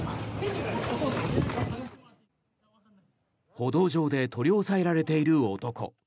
歩道上で取り押さえられている男。